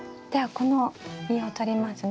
この実をとりますね。